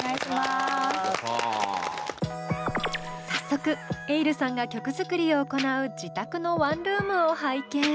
早速ｅｉｌｌさんが曲作りを行う自宅のワンルームを拝見。